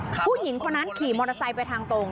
ผู้หญิงคนนั้นขี่มอเตอร์ไซค์ไปทางตรง